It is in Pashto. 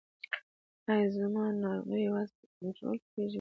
ایا زما ناروغي یوازې په کنټرول کیږي؟